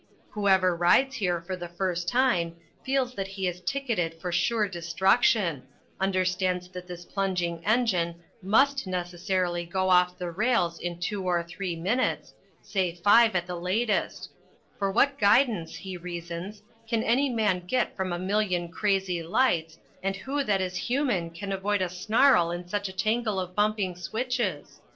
Whoever rides here for the first time feels that he is ticketed for sure destruction, understands that this plunging engine must necessarily go off the rails in two or three minutes, say five at the latest; for what guidance, he reasons, can any man get from a million crazy lights, and who that is human can avoid a snarl in such a tangle of bumping switches?